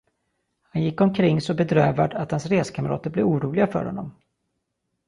Han gick omkring så bedrövad, att hans reskamrater blev oroliga för honom.